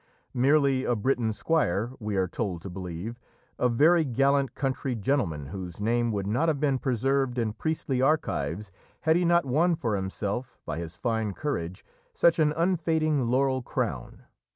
Merely a Breton squire, we are told to believe a very gallant country gentleman whose name would not have been preserved in priestly archives had he not won for himself, by his fine courage, such an unfading laurel crown.